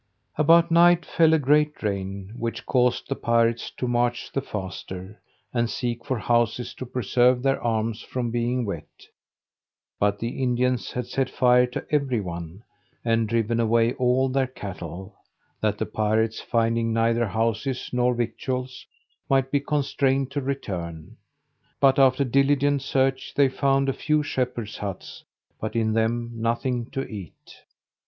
About night fell a great rain, which caused the pirates to march the faster, and seek for houses to preserve their arms from being wet; but the Indians had set fire to every one, and driven away all their cattle, that the pirates, finding neither houses nor victuals, might be constrained to return: but, after diligent search, they found a few shepherds' huts, but in them nothing to eat.